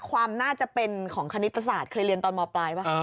ความน่าจะเป็นของคณิตศาสตร์เคยเรียนตอนมปลายป่ะ